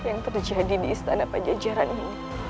yang terjadi di istana pajajaran ini